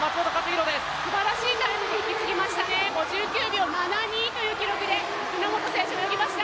すばらしいタイムで引き継ぎましたね、５９秒７２というタイムで日本選手、抜きました。